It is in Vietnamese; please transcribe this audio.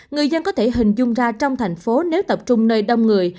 người dân có thể hình dung ra trong thành phố nếu tập trung nơi đông người